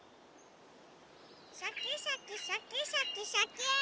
シャキシャキシャキシャキシャキーン！